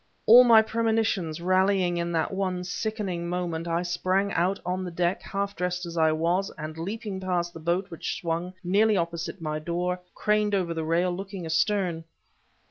All my premonitions rallying in that one sickening moment, I sprang out on the deck, half dressed as I was, and leaping past the boat which swung nearly opposite my door, craned over the rail, looking astern.